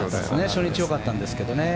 初日よかったんですけどね。